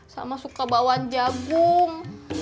sama suka bawan jagung